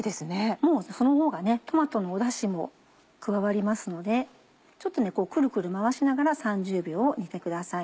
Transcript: もうそのほうがトマトのダシも加わりますのでちょっとこうクルクル回しながら３０秒煮てください。